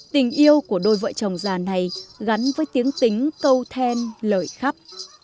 tình yêu của đôi vợ chồng già này gắn với tiếng tính câu then lợi khắp